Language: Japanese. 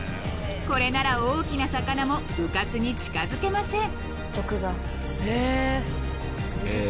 ［これなら大きな魚もうかつに近づけません］